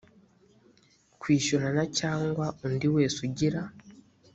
kwishyurana cyangwa undi wese ugira